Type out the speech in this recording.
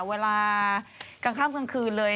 เวลากลางคั้นคืนเลย